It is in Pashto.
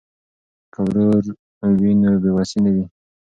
که ورور وي نو بې وسي نه وي.